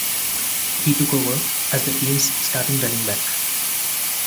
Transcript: He took over as the teams starting running back.